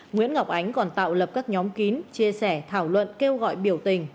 nguyễn ngọc ánh còn tạo lập các nhóm kín chia sẻ thảo luận kêu gọi biểu tình